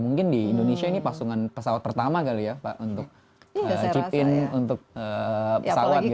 mungkin di indonesia ini pasungan pesawat pertama kali ya pak untuk chip in untuk pesawat